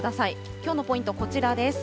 きょうのポイント、こちらです。